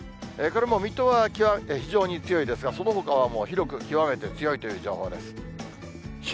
これも水戸は非常に強いですが、そのほかはもう広く極めて強いという情報です。